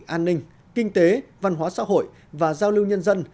an ninh kinh tế văn hóa xã hội và giao lưu nhân dân